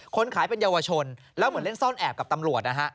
คนขายเป็นเยาวชนแล้วเหมือนเล่นซ่อนแอบกับตำรวจนะฮะ